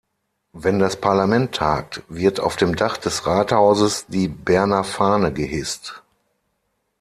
Wenn das Parlament tagt, wird auf dem Dach des Rathauses die Berner Fahne gehisst.